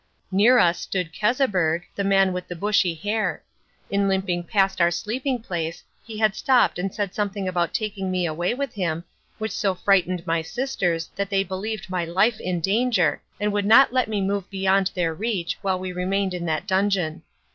Near us stood Keseberg, the man with the bushy hair. In limping past our sleeping place, he had stopped and said something about taking me away with him, which so frightened my sisters that they believed my life in danger, and would not let me move beyond their reach while we remained in that dungeon.